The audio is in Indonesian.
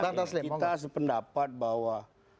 kita sependapat bahwa